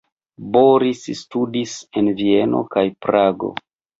Boros studis en Vieno kaj Prago.